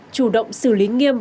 chủ động xử lý nghiêm